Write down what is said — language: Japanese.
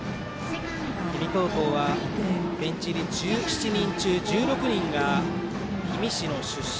氷見高校はベンチ入り１７人中１６人が氷見市の出身。